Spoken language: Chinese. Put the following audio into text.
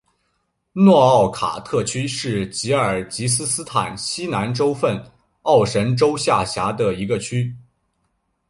诺奥卡特区是吉尔吉斯斯坦西南州份奥什州下辖的一个区。